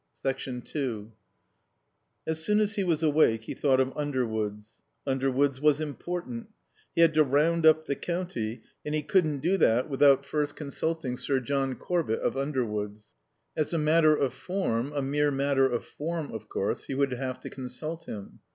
2 As soon as he was awake he thought of Underwoods. Underwoods was important. He had to round up the county, and he couldn't do that without first consulting Sir John Corbett, of Underwoods. As a matter of form, a mere matter of form, of course, he would have to consult him.